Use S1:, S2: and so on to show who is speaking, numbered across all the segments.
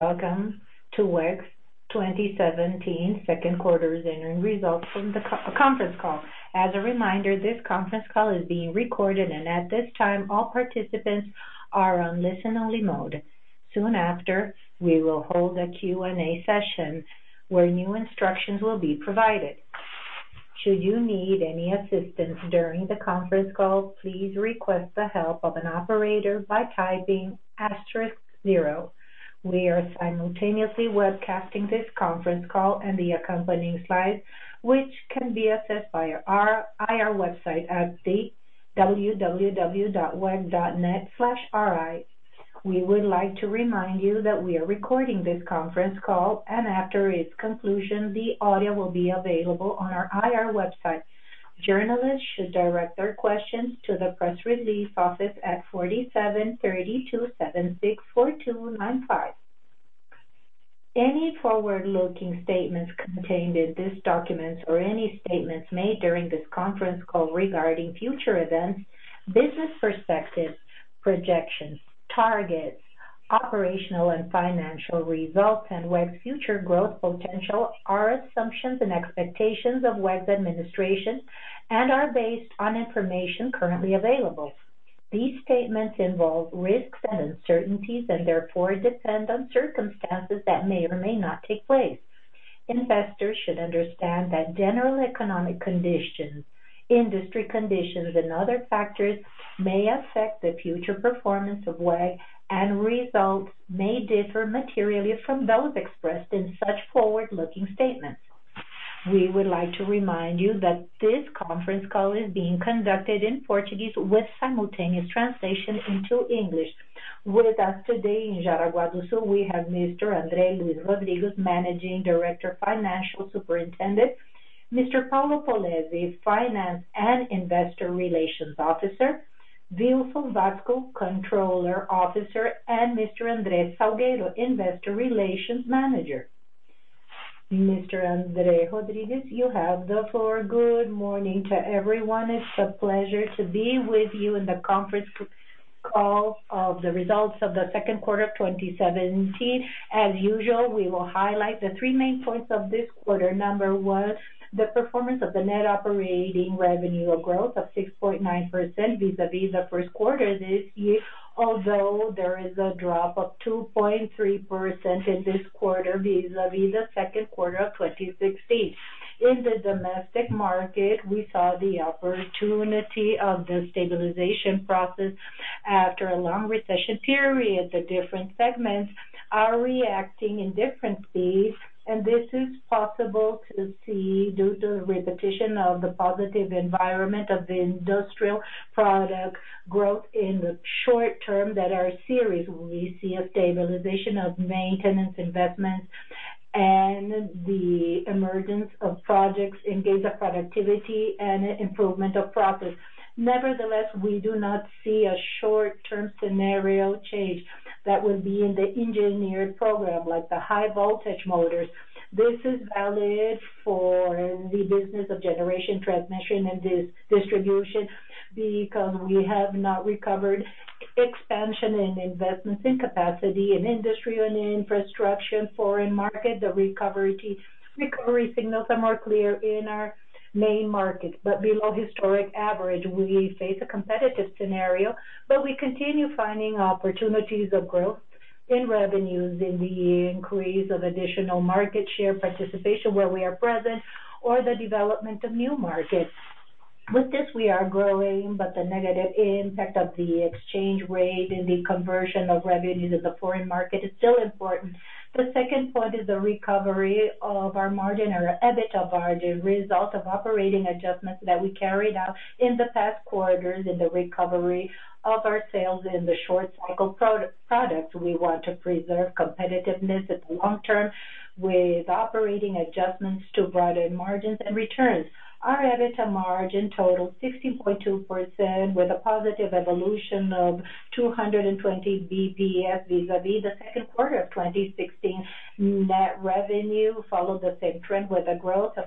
S1: Welcome to WEG's 2017 second quarter's interim results from the conference call. As a reminder, this conference call is being recorded, and at this time, all participants are on listen-only mode. Soon after, we will hold a Q&A session where new instructions will be provided. Should you need any assistance during the conference call, please request the help of an operator by typing asterisk zero. We are simultaneously webcasting this conference call and the accompanying slides, which can be accessed via our IR website at www.weg.net/ri. We would like to remind you that we are recording this conference call, and after its conclusion, the audio will be available on our IR website. Journalists should direct their questions to the press release office at 4732-764295. Any forward-looking statements contained in these documents or any statements made during this conference call regarding future events, business perspectives, projections, targets, operational and financial results, and WEG's future growth potential are assumptions and expectations of WEG's administration and are based on information currently available. These statements involve risks and uncertainties and therefore depend on circumstances that may or may not take place. Investors should understand that general economic conditions, industry conditions, and other factors may affect the future performance of WEG, and results may differ materially from those expressed in such forward-looking statements. We would like to remind you that this conference call is being conducted in Portuguese with simultaneous translation into English. With us today in Jaraguá do Sul, we have Mr. André Luís Rodrigues, Managing Director, Financial Superintendent, Mr. Paulo Polezi, Finance and Investor Relations Officer, Vilson Vasco, Controller Officer, and Mr. André Salgueiro, Investor Relations Manager. Mr. André Rodrigues, you have the floor.
S2: Good morning to everyone. It's a pleasure to be with you in the conference call of the results of the second quarter of 2017. As usual, we will highlight the three main points of this quarter. Number 1, the performance of the net operating revenue or growth of 6.9% vis-a-vis the first quarter this year, although there is a drop of 2.3% in this quarter vis-a-vis the second quarter of 2016. In the domestic market, we saw the opportunity of the stabilization process after a long recession period. The different segments are reacting in different speeds, and this is possible to see due to the repetition of the positive environment of the industrial product growth in the short term that are series. We see a stabilization of maintenance investments and the emergence of projects in gains of productivity and improvement of profits. We do not see a short-term scenario change that will be in the engineered program like the high voltage motors. This is valid for the business of Generation, Transmission and Distribution because we have not recovered expansion in investments in capacity in industry or in infrastructure in foreign market. The recovery signals are more clear in our main markets, below historic average. We face a competitive scenario, we continue finding opportunities of growth in revenues in the increase of additional market share participation where we are present or the development of new markets. With this, we are growing, the negative impact of the exchange rate in the conversion of revenues in the foreign market is still important. The second point is the recovery of our margin or EBITDA margin, result of operating adjustments that we carried out in the past quarters in the recovery of our sales in the short cycle products. We want to preserve competitiveness in the long term with operating adjustments to broaden margins and returns. Our EBITDA margin totaled 16.2% with a positive evolution of 220 basis points vis-à-vis the second quarter of 2016. Net revenue followed the same trend with a growth of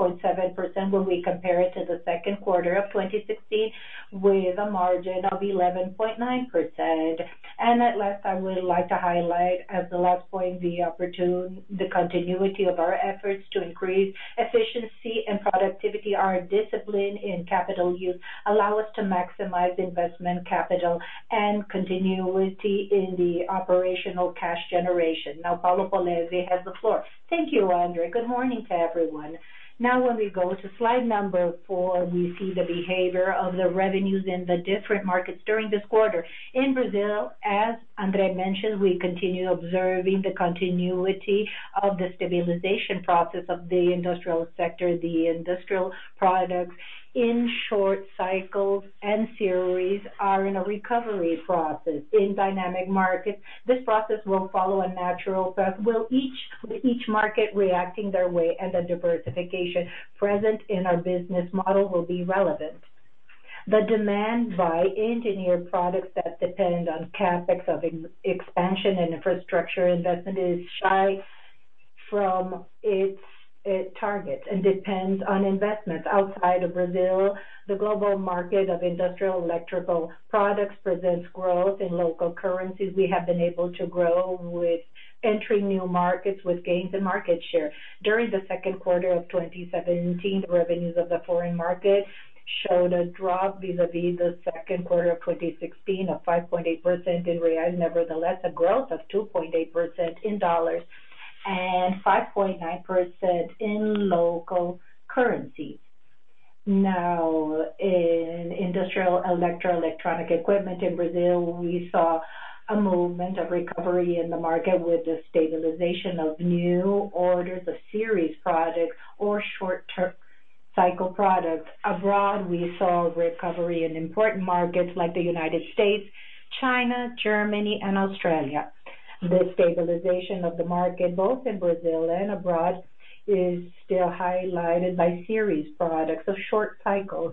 S2: 6.7% when we compare it to the second quarter of 2016 with a margin of 11.9%. At last, I would like to highlight as the last point the continuity of our efforts to increase efficiency and productivity. Our discipline in capital use allow us to maximize investment capital and continuity in the operational cash generation. Paulo Polezi has the floor. Thank you, André.
S3: Good morning to everyone. When we go to slide 4, we see the behavior of the revenues in the different markets during this quarter. In Brazil, as André mentioned, we continue observing the continuity of the stabilization process of the industrial sector. The industrial products in short cycles and series are in a recovery process. In dynamic markets, this process will follow a natural path with each market reacting their way and the diversification present in our business model will be relevant. The demand by engineered products that depend on CapEx of expansion and infrastructure investment is shy from its targets and depends on investments outside of Brazil. The global market of industrial electrical products presents growth in local currencies. We have been able to grow with entering new markets with gains in market share. During the second quarter of 2017, the revenues of the foreign market showed a drop vis-à-vis the second quarter of 2016 of 5.8% in BRL. Nevertheless, a growth of 2.8% in USD and 5.9% in local currency. In industrial electro electronic equipment in Brazil, we saw a movement of recovery in the market with the stabilization of new orders of series products or short-term cycle products. Abroad, we saw recovery in important markets like the U.S., China, Germany, and Australia. The stabilization of the market, both in Brazil and abroad, is still highlighted by series products of short cycles.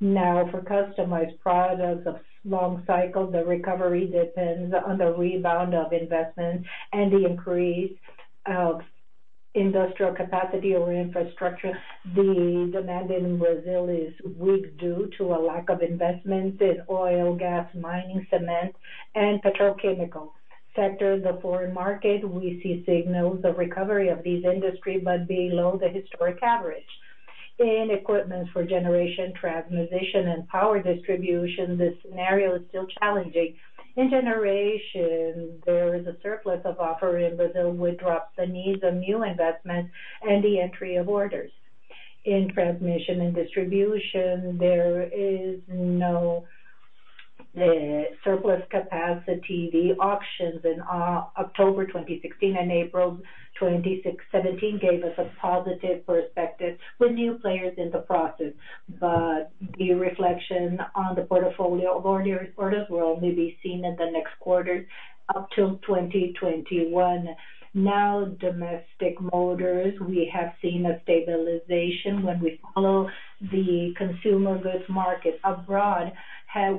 S3: For customized products of long cycles, the recovery depends on the rebound of investment and the increase of industrial capacity or infrastructure. The demand in Brazil is weak due to a lack of investment in oil, gas, mining, cement, and petrochemicals. Sectors of foreign market, we see signals of recovery of these industry but below the historic average. In equipment for generation, transmission, and power distribution, the scenario is still challenging. In generation, there is a surplus of offer in Brazil, which drops the needs of new investment and the entry of orders. In transmission and distribution, there is no surplus capacity. The auctions in October 2016 and April 2017 gave us a positive perspective with new players in the process. The reflection on the portfolio of orders will only be seen in the next quarter up to 2021. Domestic motors, we have seen a stabilization when we follow the consumer goods market. Abroad,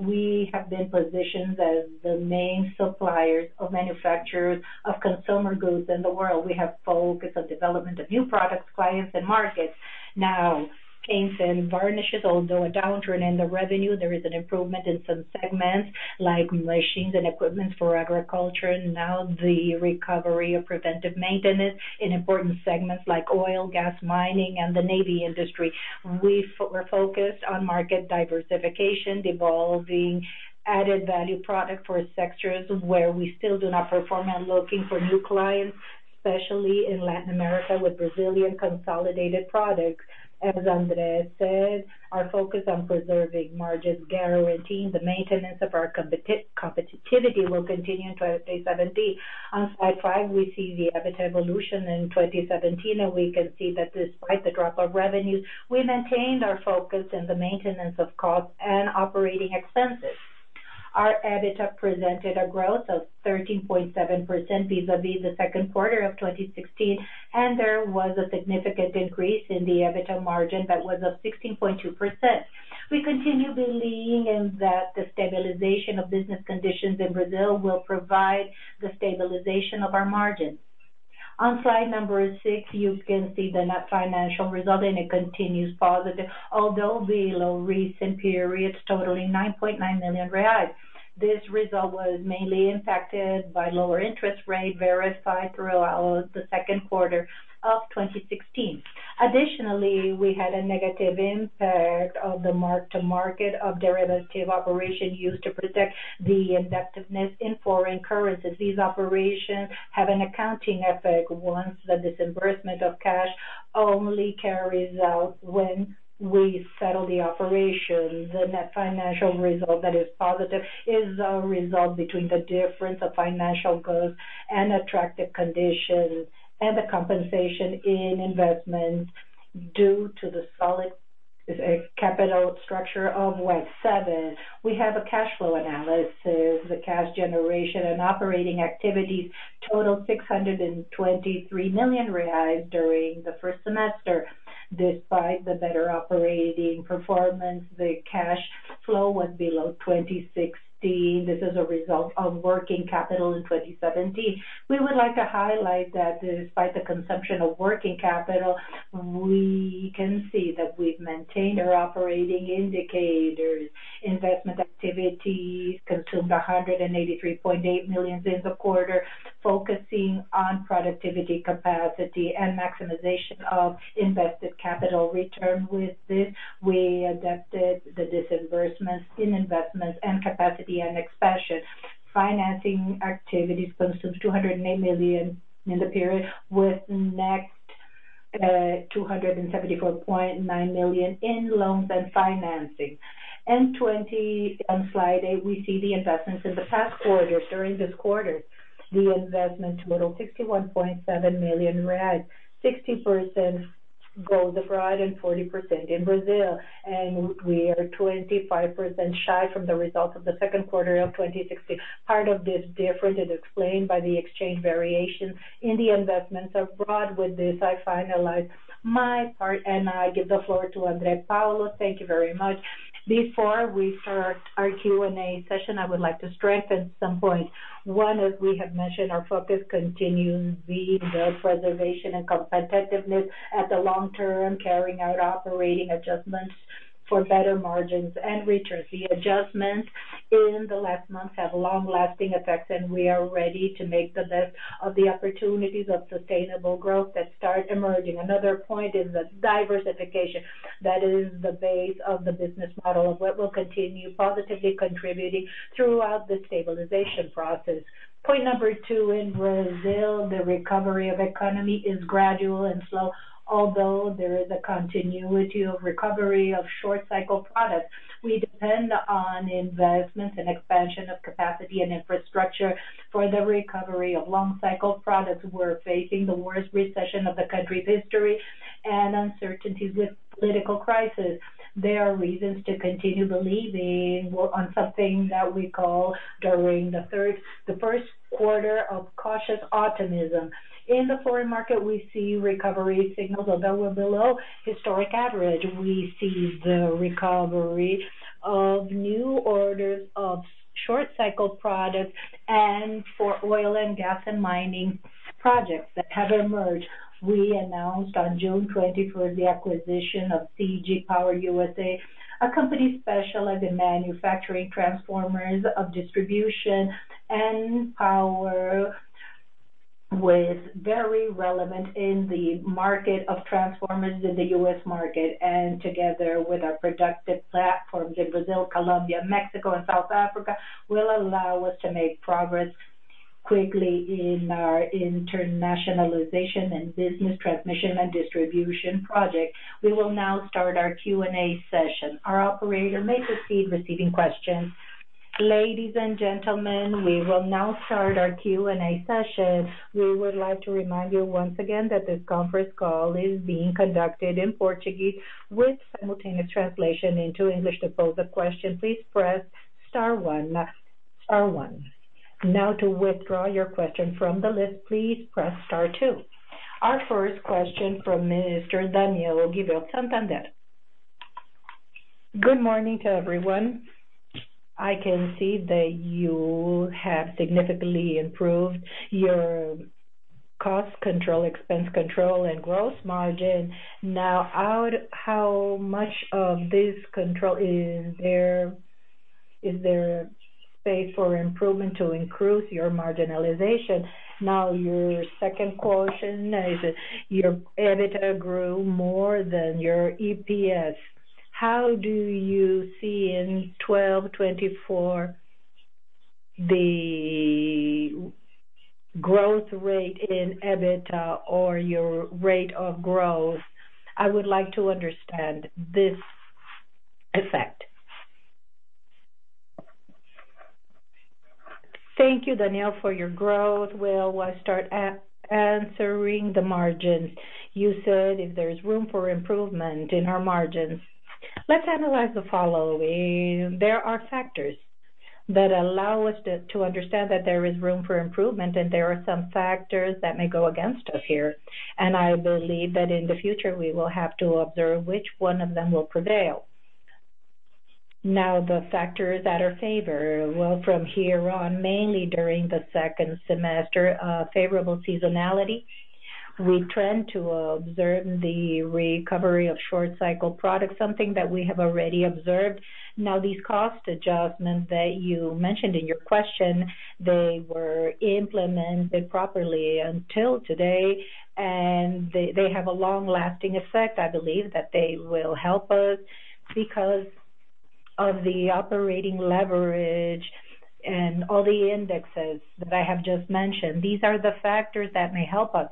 S3: we have been positioned as the main suppliers of manufacturers of consumer goods in the world. We have focus on development of new products, clients, and markets. Now, paints and varnishes, although a downturn in the revenue, there is an improvement in some segments like machines and equipment for agriculture. Now the recovery of preventive maintenance in important segments like oil, gas, mining, and the navy industry. We are focused on market diversification, developing added value product for sectors where we still do not perform and looking for new clients, especially in Latin America with Brazilian consolidated products. As André said, our focus on preserving margins guaranteeing the maintenance of our competitiveness will continue in 2017. On slide five, we see the EBITDA evolution in 2017. We can see that despite the drop of revenues, we maintained our focus in the maintenance of costs and operating expenses. Our EBITDA presented a growth of 13.7% vis-a-vis the second quarter of 2016. There was a significant increase in the EBITDA margin that was of 16.2%. We continue believing that the stabilization of business conditions in Brazil will provide the stabilization of our margins. On slide number six, you can see the net financial result. It continues positive, although below recent periods totaling 9.9 million reais. This result was mainly impacted by lower interest rate verified throughout the second quarter of 2016. Additionally, we had a negative impact of the mark to market of derivative operation used to protect the indebtedness in foreign currencies. These operations have an accounting effect once the disbursement of cash only carries out when we settle the operation. The net financial result that is positive is a result between the difference of financial goals and attractive condition and the compensation in investment due to the solid capital structure of WEG. 7, we have a cash flow analysis. The cash generation and operating activities totaled 623 million reais during the first semester. Despite the better operating performance, the cash flow was below 2016. This is a result of working capital in 2017. We would like to highlight that despite the consumption of working capital, we can see that we have maintained our operating indicators. Investment activity consumed 183.8 million in the quarter, focusing on productivity capacity and maximization of invested capital return. With this, we adapted the disbursements in investments and capacity and expansion. Financing activities consumed 208 million in the period, with net 274.9 million in loans and financing. On slide eight, we see the investments in the past quarters. During this quarter, the investment totaled 61.7 million, 60% growth abroad and 40% in Brazil. We are 25% shy from the results of the second quarter of 2016. Part of this difference is explained by the exchange variation in the investments abroad. With this, I finalize my part. I give the floor to André, Paulo. Thank you very much.
S2: Before we start our Q&A session, I would like to strengthen some points. 1, as we have mentioned, our focus continues being the preservation and competitiveness in the long term, carrying out operating adjustments for better margins and returns. The adjustments in the last months have long-lasting effects. We are ready to make the best of the opportunities of sustainable growth that start emerging. Another point is the diversification. That is the base of the business model that will continue positively contributing throughout the stabilization process. Point number 2, in Brazil, the recovery of economy is gradual and slow. Although there is a continuity of recovery of short-cycle products, we depend on investments and expansion of capacity and infrastructure for the recovery of long-cycle products. We're facing the worst recession of the country's history and uncertainties with political crisis. There are reasons to continue believing in something that we call, during the first quarter, cautious optimism. In the foreign market, we see recovery signals, although we're below historic average. We see the recovery of new orders of short-cycle products and for oil and gas and mining projects that have emerged. We announced on June 21st the acquisition of CG Power USA, a company specialized in manufacturing transformers of distribution and power, with very relevant in the market of transformers in the U.S. market. Together with our productive platforms in Brazil, Colombia, Mexico, and South Africa, will allow us to make progress quickly in our internationalization and business transmission and distribution project. We will now start our Q&A session. Our operator may proceed receiving questions. Ladies and gentlemen, we will now start our Q&A session. We would like to remind you once again that this conference call is being conducted in Portuguese with simultaneous translation into English. To pose a question, please press star one. To withdraw your question from the list, please press star two. Our first question from Minister Daniel Gewehr, Santander. Good morning to everyone. I can see that you have significantly improved your cost control, expense control, and gross margin. How much of this control is there space for improvement to increase your marginalization? Your second question is your EBITDA grew more than your EPS. How do you see in 12-24, the growth rate in EBITDA or your rate of growth? I would like to understand this effect. Thank you, Daniel, for your question. I start answering the margins. You said if there's room for improvement in our margins. Let's analyze the following. There are factors that allow us to understand that there is room for improvement, and there are some factors that may go against us here, and I believe that in the future, we will have to observe which one of them will prevail. The factors that are favorable. From here on, mainly during the second semester, favorable seasonality. We tend to observe the recovery of short-cycle products, something that we have already observed. These cost adjustments that you mentioned in your question, they were implemented properly until today, and they have a long-lasting effect. I believe that they will help us because of the operating leverage and all the indexes that I have just mentioned. These are the factors that may help us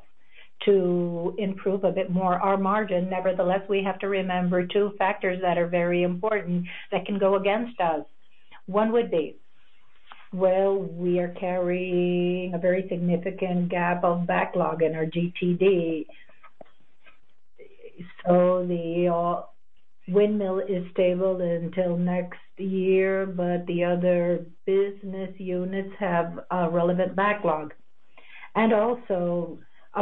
S2: to improve a bit more our margin. Nevertheless, we have to remember two factors that are very important that can go against us. One would be, we are carrying a very significant gap of backlog in our GTD. The xWind is stable until next year, but the other business units have a relevant backlog. A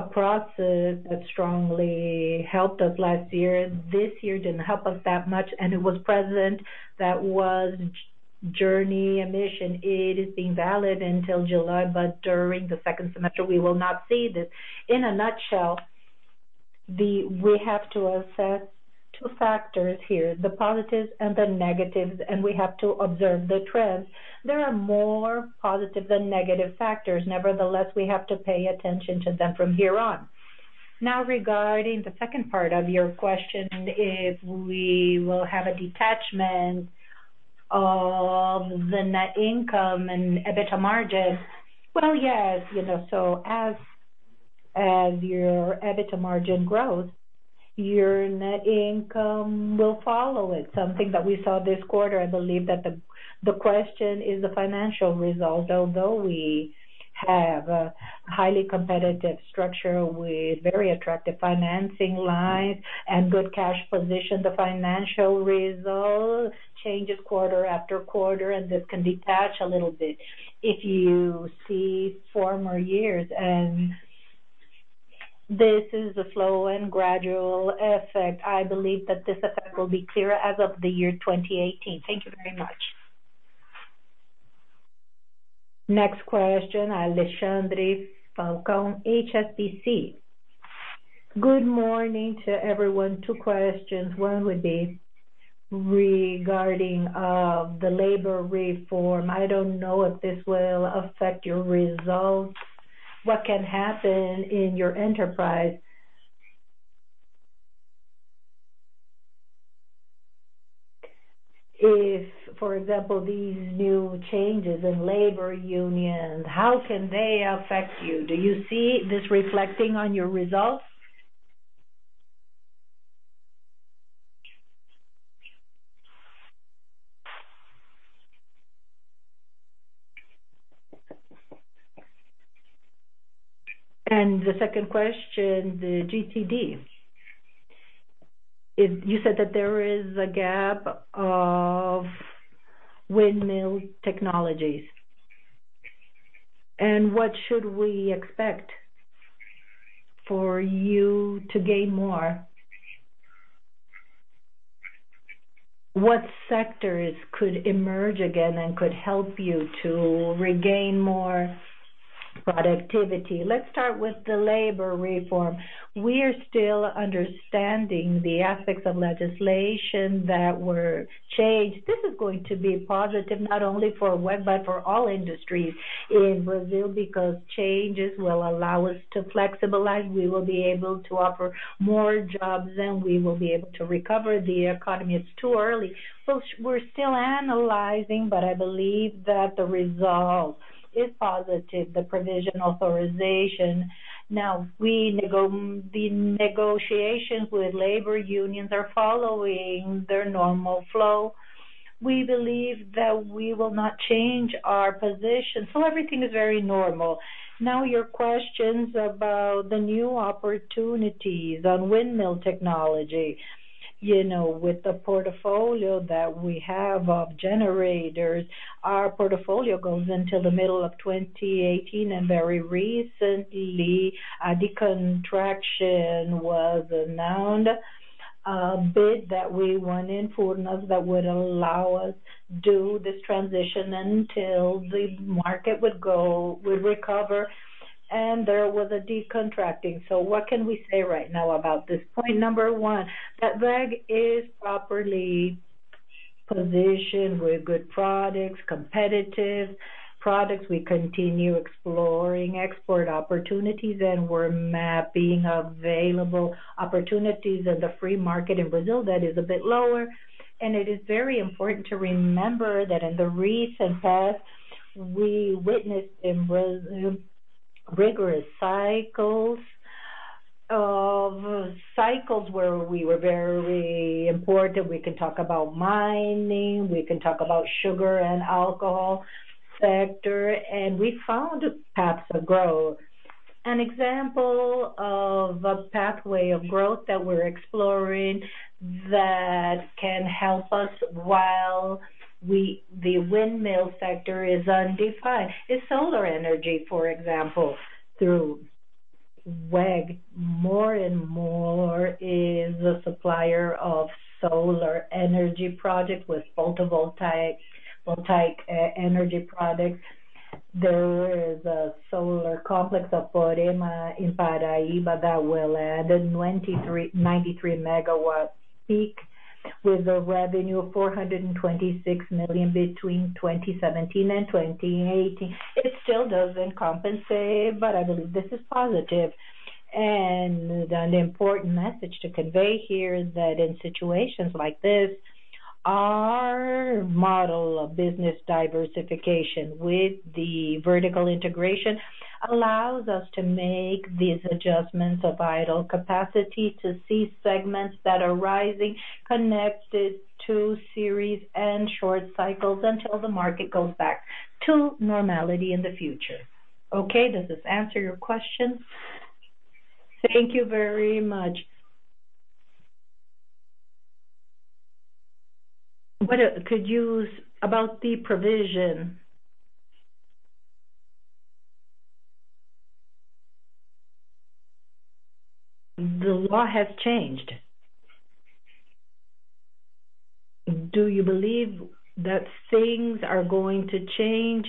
S2: process that strongly helped us last year, this year didn't help us that much, and it was present. That was jornada de redução. It is being valid until July, but during the second semester, we will not see this. In a nutshell, we have to assess two factors here, the positives and the negatives, and we have to observe the trends. There are more positive than negative factors. Nevertheless, we have to pay attention to them from here on. Regarding the second part of your question, if we will have a detachment of the net income and EBITDA margin. Yes. As your EBITDA margin grows, your net income will follow it, something that we saw this quarter. I believe that the question is the financial result. Although we have a highly competitive structure with very attractive financing lines and good cash position. The financial results changes quarter after quarter, and this can detach a little bit if you see four more years. This is a slow and gradual effect. I believe that this effect will be clearer as of the year 2018. Thank you very much.
S1: Next question, Alexandre Falcao, HSBC.
S2: Good morning to everyone. Two questions. One would be regarding the labor reform.
S4: I don't know if this will affect your results. What can happen in your enterprise if, for example, these new changes in labor unions, how can they affect you? Do you see this reflecting on your results? The second question, the GTD. You said that there is a gap of windmill technologies. What should we expect for you to gain more? What sectors could emerge again and could help you to regain more productivity? Let's start with the labor reform. We are still understanding the aspects of legislation that were changed. This is going to be positive not only for WEG but for all industries in Brazil, because changes will allow us to flexibilize. We will be able to offer more jobs, and we will be able to recover the economy. It's too early. We're still analyzing, but I believe that the result is positive, the provision authorization.
S2: The negotiations with labor unions are following their normal flow. We believe that we will not change our position. Everything is very normal. Your questions about the new opportunities on windmill technology. With the portfolio that we have of generators, our portfolio goes until the middle of 2018, and very recently, a deconstruction was announced, a bid that we won in Furnas that would allow us do this transition until the market would recover, and there was a decontracting. What can we say right now about this point? Number one, that WEG is properly positioned. We're good products, competitive products. We continue exploring export opportunities, and we're mapping available opportunities in the free market in Brazil that is a bit lower. It is very important to remember that in the recent past, we witnessed in Brazil rigorous cycles where we were very important. We can talk about mining, we can talk about sugar and alcohol sector, and we found paths of growth. An example of a pathway of growth that we're exploring that can help us while the windmill sector is undefined, is solar energy, for example, through WEG. More and More is a supplier of solar energy project with photovoltaic energy products. There is a solar complex of Coremas in Paraíba that will add 93 MW peak with a revenue of 426 million between 2017 and 2018. It still doesn't compensate, but I believe this is positive. An important message to convey here that in situations like this, our model of business diversification with the vertical integration allows us to make these adjustments of idle capacity to see segments that are rising, connected to series and short cycles until the market goes back to normality in the future.
S4: Okay, does this answer your question?
S2: Thank you very much. About the provision. The law has changed. Do you believe that things are going to change?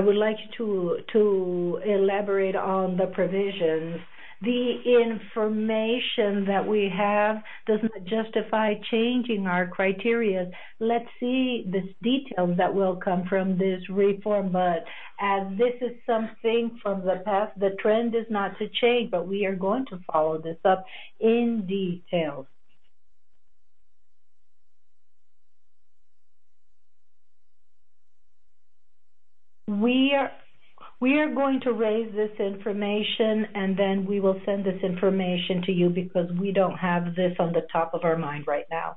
S4: I would like to elaborate on the provisions. The information that we have does not justify changing our criteria. Let's see the details that will come from this reform. As this is something from the past, the trend is not to change, but we are going to follow this up in detail. We are going to raise this information, then we will send this information to you because we don't have this on the top of our mind right now.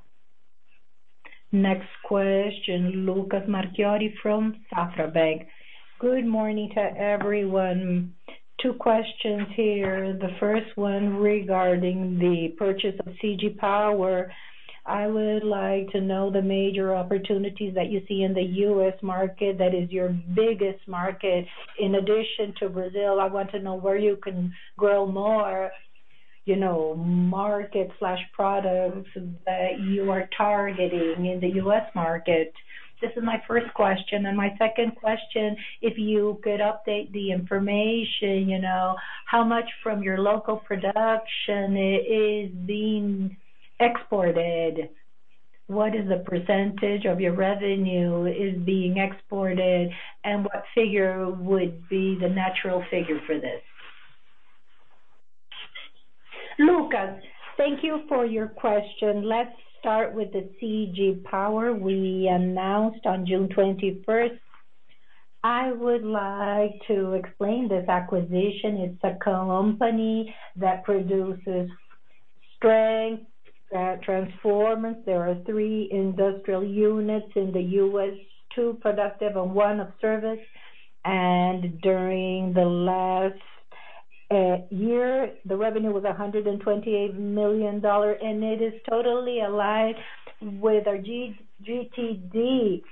S1: Next question, Lucas Marquiori from Safra Bank.
S5: Good morning to everyone. Two questions here. The first one regarding the purchase of CG Power. I would like to know the major opportunities that you see in the U.S. market, that is your biggest market. In addition to Brazil, I want to know where you can grow more, market/products that you are targeting in the U.S. market. This is my first question. My 2nd question, if you could update the information, how much from your local production is being exported, what is the % of your revenue is being exported, and what figure would be the natural figure for this?
S2: Lucas, thank you for your question. Let's start with the CG Power we announced on June 21st. I would like to explain this acquisition. It's a company that produces power transformers. There are three industrial units in the U.S., two productive and one of service. During the last year, the revenue was $128 million, and it is totally aligned with our GTD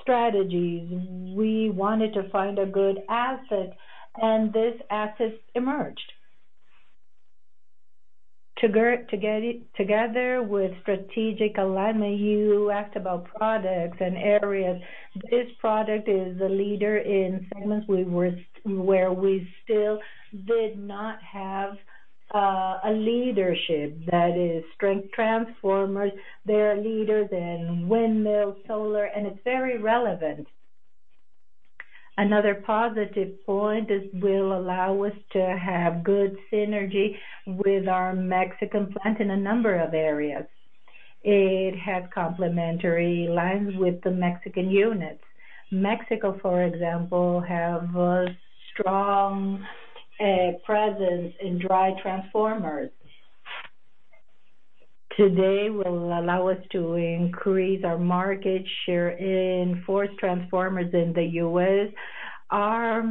S2: strategies. We wanted to find a good asset, and this asset emerged. Together with strategic alignment, you asked about products and areas. This product is a leader in segments where we still did not have a leadership. That is power transformers. They're leaders in windmill, solar, and it's very relevant. Another positive point, this will allow us to have good synergy with our Mexican plant in a number of areas. It has complementary lines with the Mexican units. Mexico, for example, have a strong presence in dry-type transformers. Today will allow us to increase our market share in power transformers in the U.S. Our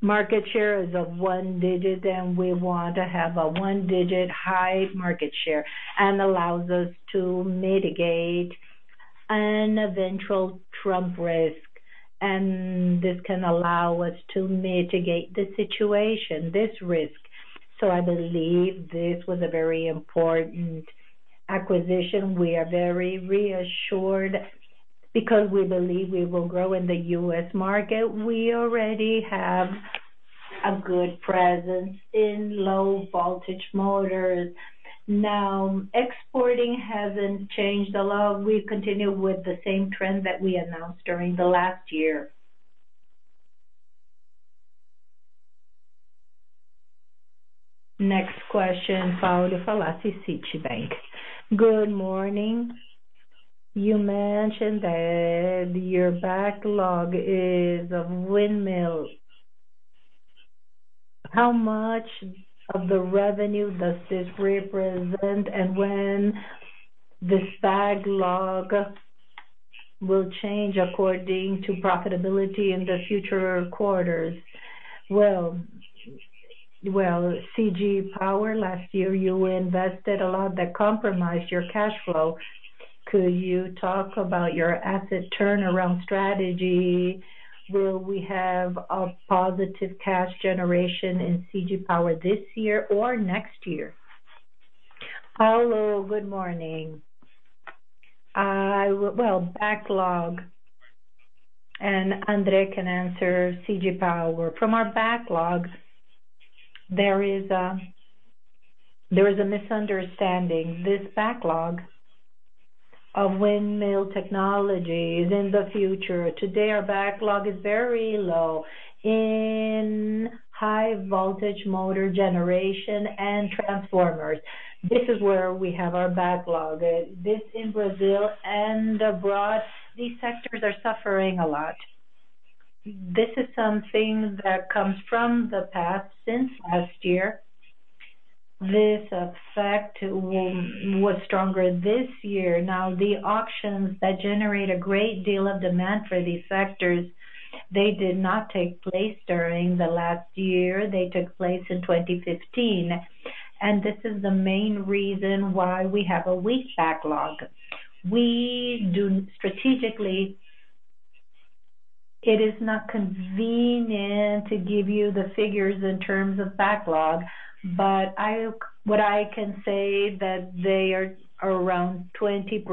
S2: market share is a 1-digit, and we want to have a 1-digit high market share, and allows us to mitigate an eventual Trump risk, and this can allow us to mitigate the situation, this risk. I believe this was a very important acquisition. We are very reassured because we believe we will grow in the U.S. market. We already have a good presence in low voltage motors. Now, exporting hasn't changed a lot. We've continued with the same trend that we announced during the last year.
S1: Next question, Paulo Falaci, Citibank.
S6: Good morning. You mentioned that your backlog is of windmills. How much of the revenue does this represent, and when this backlog will change according to profitability in the future quarters? Well, CG Power, last year, you invested a lot that compromised your cash flow. Could you talk about your asset turnaround strategy? Will we have a positive cash generation in CG Power this year or next year? Paulo, good morning. Well, backlog, André can answer CG Power. From our backlogs, there is a misunderstanding. This backlog of windmill technology is in the future.
S2: Today, our backlog is very low in high voltage motor generation and transformers. This is where we have our backlog. This in Brazil and abroad, these sectors are suffering a lot. This is something that comes from the past, since last year. This effect was stronger this year. The auctions that generate a great deal of demand for these sectors, they did not take place during the last year. They took place in 2015. This is the main reason why we have a weak backlog. Strategically, it is not convenient to give you the figures in terms of backlog. What I can say that they are around 20%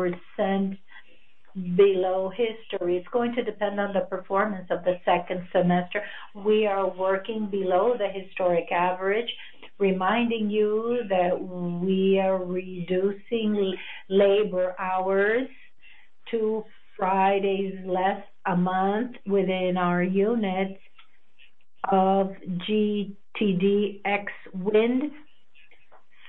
S2: below history. It is going to depend on the performance of the second semester. We are working below the historic average, reminding you that we are reducing labor hours to Fridays less a month within our units of GTD ex-wind.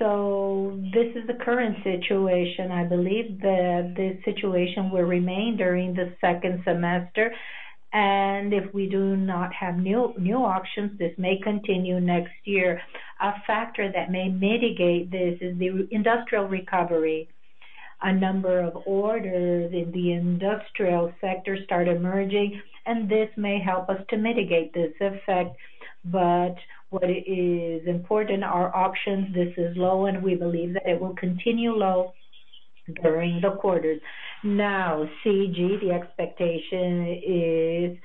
S2: This is the current situation. I believe that this situation will remain during the second semester, and if we do not have new auctions, this may continue next year. A factor that may mitigate this is the industrial recovery. A number of orders in the industrial sector start emerging, and this may help us to mitigate this effect. What is important, our auctions, this is low, and we believe that it will continue low during the quarters. CG, the expectation is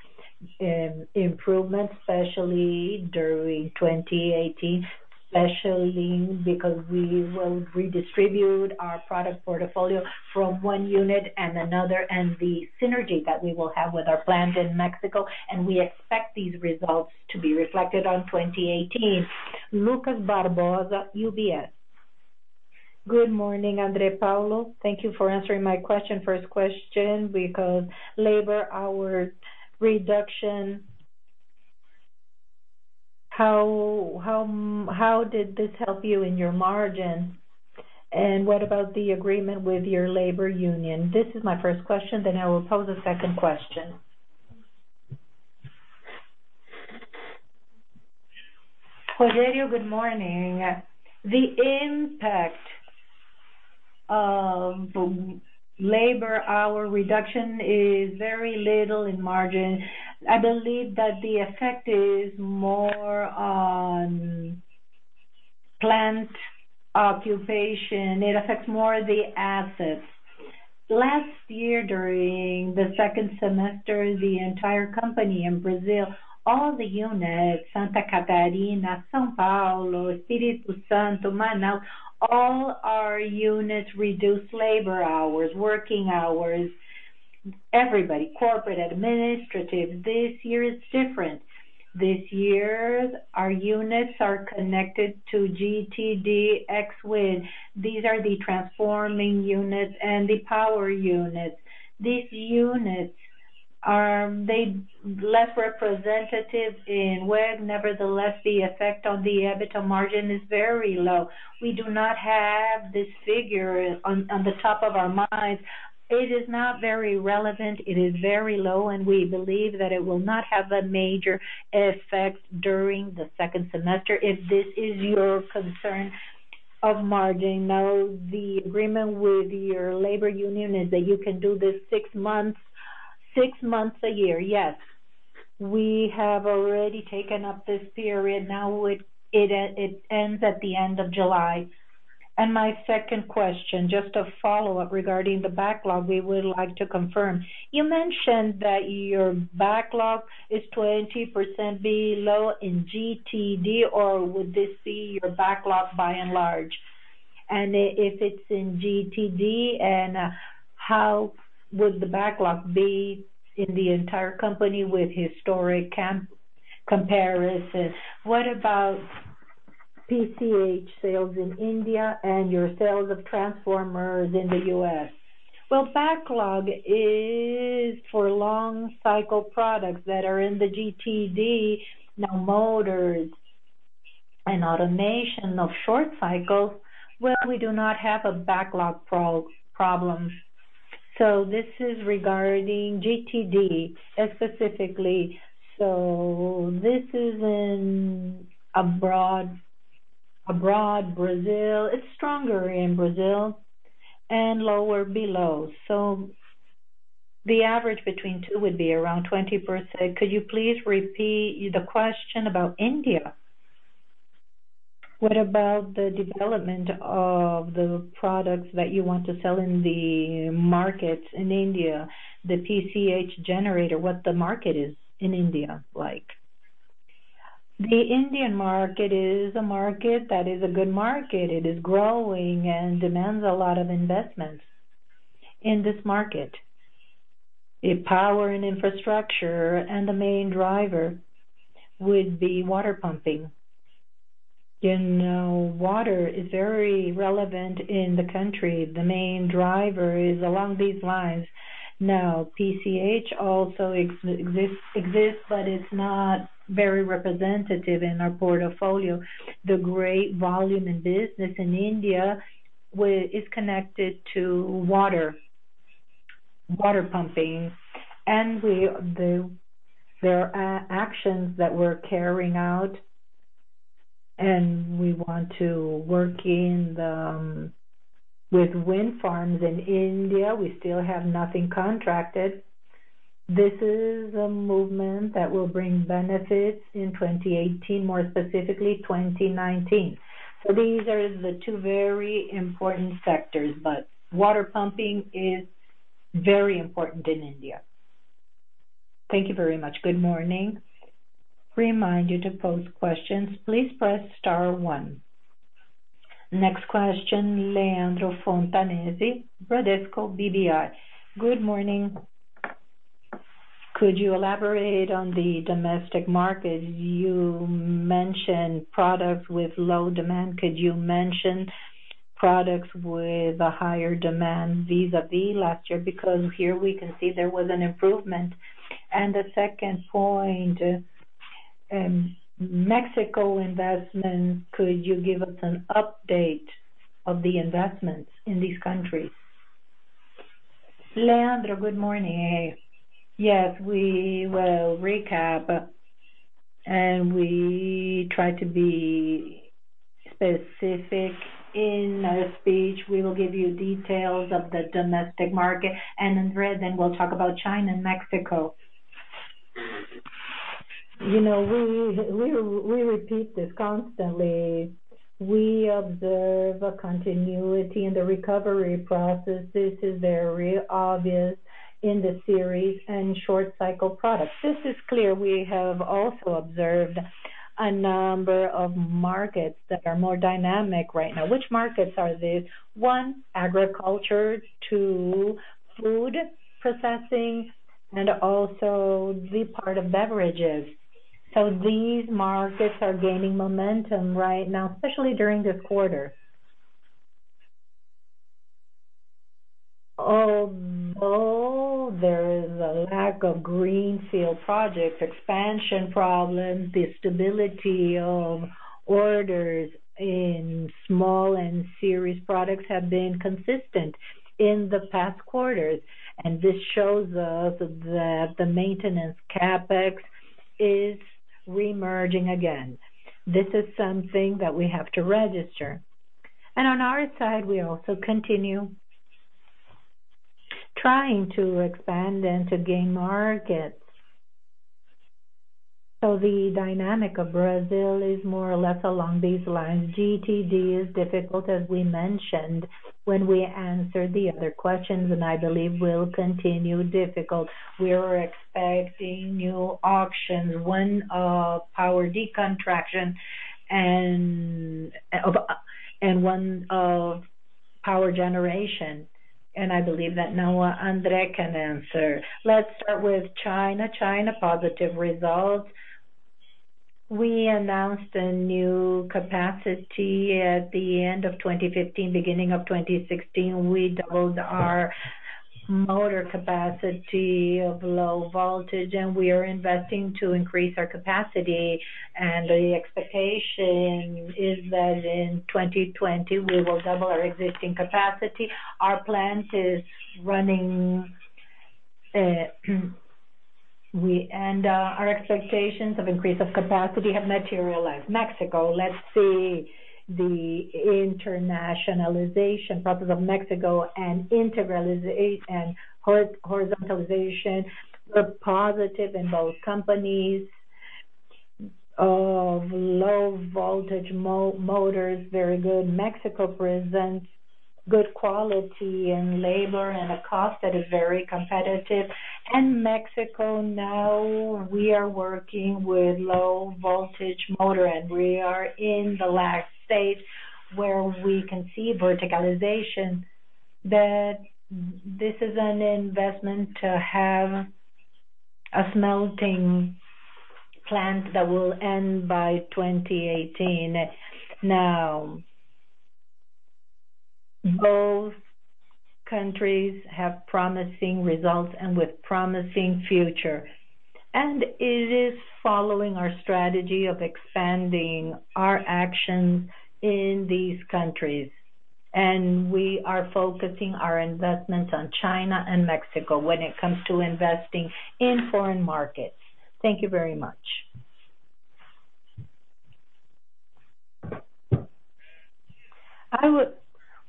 S2: improvement, especially during 2018, especially because we will redistribute our product portfolio from one unit and another, and the synergy that we will have with our plant in Mexico, and we expect these results to be reflected on 2018.
S7: Lucas Barbosa, UBS. Good morning, André Paulo. Thank you for answering my first question, because labor hour reduction, how did this help you in your margin? What about the agreement with your labor union? This is my first question, I will pose a second question.
S2: Rodrigues, good morning. The impact of labor hour reduction is very little in margin. I believe that the effect is more on plant occupation. It affects more the assets. Last year, during the second semester, the entire company in Brazil, all the units, Santa Catarina, São Paulo, Espírito Santo, Manaus, all our units reduced labor hours, working hours. Everybody, corporate, administrative. This year it is different. This year, our units are connected to GTD, xWind. These are the transforming units and the power units. These units are less representative in WEG. Nevertheless, the effect on the EBITDA margin is very low. We do not have this figure on the top of our minds. It is not very relevant. It is very low, and we believe that it will not have a major effect during the second semester if this is your concern of margin. The agreement with your labor union is that you can do this 6 months a year. Yes. We have already taken up this measure. It ends at the end of July.
S7: My second question, just a follow-up regarding the backlog, we would like to confirm. You mentioned that your backlog is 20% below in GTD, or would this be your backlog by and large? If it is in GTD, how would the backlog be in the entire company with historic comparisons? What about PCH sales in India and your sales of transformers in the U.S.?
S2: Backlog is for long cycle products that are in the GTD. Motors and automation of short cycles, we do not have a backlog problem. This is regarding GTD specifically. This is outside Brazil. It is stronger in Brazil and lower below. The average between two would be around 20%. Could you please repeat the question about India?
S7: What about the development of the products that you want to sell in the market in India, the PCH generator, what the market is in India like?
S2: The Indian market is a market that is a good market. It is growing and demands a lot of investments in this market. The power and infrastructure and the main driver would be water pumping. Water is very relevant in the country. The main driver is along these lines. PCH also exists, but it is not very representative in our portfolio. The great volume in business in India is connected to water pumping. There are actions that we are carrying out, and we want to work with wind farms in India. We still have nothing contracted. This is a movement that will bring benefits in 2018, more specifically 2019. These are the two very important sectors, but water pumping is very important in India. Thank you very much.
S1: Good morning. To pose questions, please press star one. Next question, Leandro Fontanesi, Bradesco BBI.
S8: Good morning. Could you elaborate on the domestic market? You mentioned products with low demand. Could you mention products with a higher demand vis-a-vis last year, because here we can see there was an improvement. The second point, Mexico investment, could you give us an update of the investments in these countries?
S2: Leandro, good morning. Yes, we will recap and we try to be specific in our speech. We will give you details of the domestic market, and then we will talk about China and Mexico. We repeat this constantly. We observe a continuity in the recovery process. This is very obvious in the series and short cycle products. This is clear. We have also observed a number of markets that are more dynamic right now. Which markets are these? One, agriculture, two, food processing, and also the part of beverages. These markets are gaining momentum right now, especially during this quarter. Although there is a lack of greenfield projects, expansion problems, the stability of orders in small and series products have been consistent in the past quarters. This shows us that the maintenance CapEx is reemerging again. This is something that we have to register. On our side, we also continue trying to expand and to gain markets. The dynamic of Brazil is more or less along these lines. GTD is difficult, as we mentioned when we answered the other questions, and I believe will continue difficult. We are expecting new auctions, one of power decontraction and one of power generation. I believe that now André can answer. Let us start with China. China, positive results. We announced a new capacity at the end of 2015, beginning of 2016. We doubled our motor capacity of low voltage, and we are investing to increase our capacity. The expectation is that in 2020, we will double our existing capacity. Our plant is running, and our expectations of increase of capacity have materialized. Mexico, let us see the internationalization process of Mexico and horizontalization were positive in both companies of low voltage motors, very good. Mexico presents good quality in labor and a cost that is very competitive. Mexico now we are working with low-voltage motor, and we are in the last stage where we can see verticalization. This is an investment to have a smelting plant that will end by 2018. Both countries have promising results and with promising future. It is following our strategy of expanding our actions in these countries. We are focusing our investments on China and Mexico when it comes to investing in foreign markets. Thank you very much.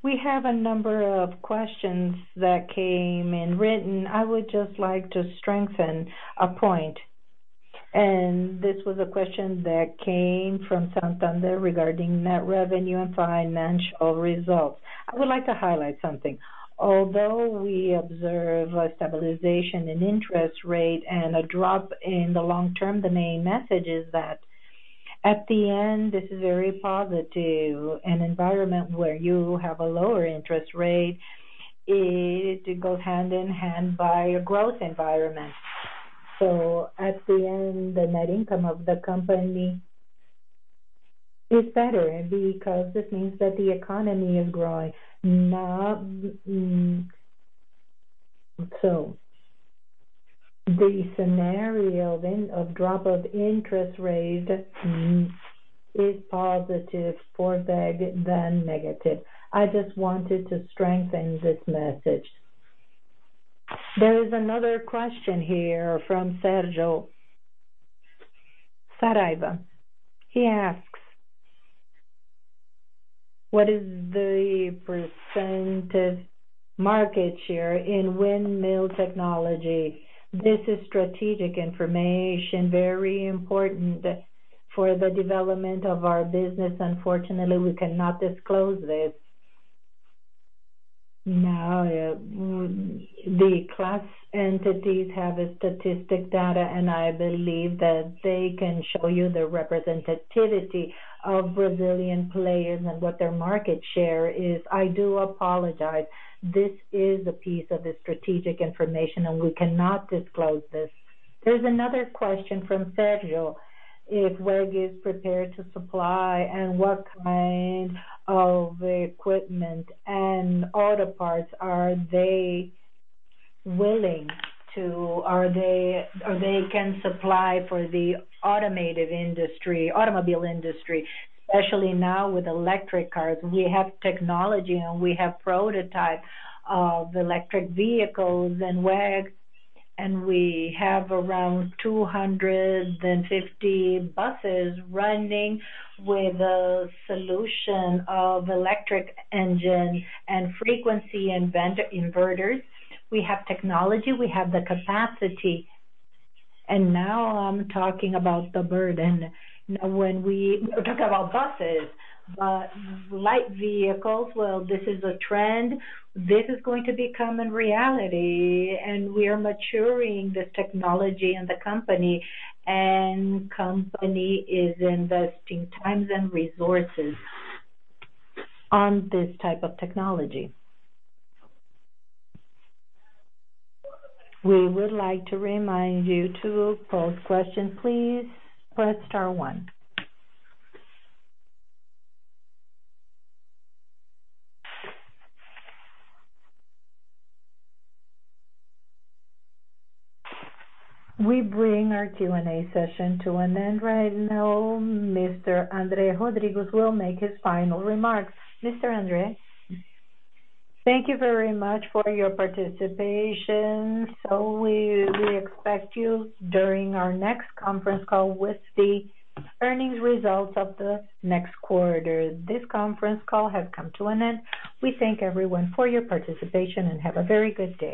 S2: We have a number of questions that came in written. I would just like to strengthen a point. This was a question that came from Santander regarding net revenue and financial results. I would like to highlight something. Although we observe a stabilization in interest rates and a drop in the long term, the main message is that at the end, this is very positive. An environment where you have a lower interest rate, it goes hand in hand by a growth environment. At the end, the net income of the company is better because this means that the economy is growing. The scenario then of drop of interest rates is positive for WEG than negative. I just wanted to strengthen this message.
S1: There is another question here from Sérgio Saraiva. He asks, "What is the percentage market share in windmill technology?"
S2: This is strategic information, very important for the development of our business. Unfortunately, we cannot disclose this. The class entities have statistical data, and I believe that they can show you the representativity of Brazilian players and what their market share is. I do apologize. This is a piece of strategic information, and we cannot disclose this.
S1: There's another question from Sérgio. If WEG is prepared to supply, and what kind of equipment and auto parts are they willing to supply for the automobile industry, especially now with electric cars?
S2: We have technology, and we have prototypes of electric vehicles in WEG, and we have around 250 buses running with a solution of electric engines and frequency inverters. We have technology, we have the capacity. Now I'm talking about the buses when we talk about buses. Light vehicles, well, this is a trend. This is going to become a reality, and we are maturing this technology in the company, and the company is investing time and resources on this type of technology.
S1: We would like to remind you to pose a question, please press star one. We bring our Q&A session to an end right now. Mr. André Rodrigues will make his final remarks. Mr. André?
S2: Thank you very much for your participation. We expect you during our next conference call with the earnings results of the next quarter. This conference call has come to an end. We thank everyone for your participation, and have a very good day.